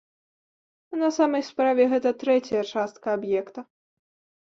На самай справе, гэта трэцяя частка аб'екта.